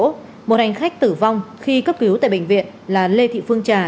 trong số một hành khách tử vong khi cấp cứu tại bệnh viện là lê thị phương trà